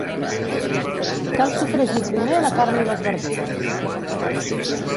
Cal sofregir primer la carn i les verdures.